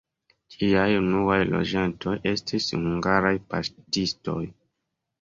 Ĝiaj unuaj loĝantoj estis hungaraj paŝtistoj.